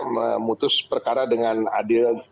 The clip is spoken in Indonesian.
memutus perkara dengan adil